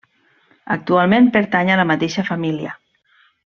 Actualment pertany a la mateixa família.